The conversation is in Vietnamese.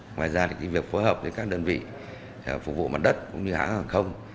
ngoài ra thì việc phối hợp với các đơn vị phục vụ mặt đất cũng như hãng hàng không